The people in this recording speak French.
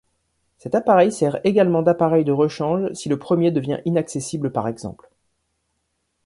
Ce appareil sert également d'appareil de rechange si le premier devient inaccessible par exemple.